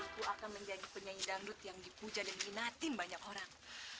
aku akan menjadi penyanyi dangdut yang dipuja dan diminatin banyak orang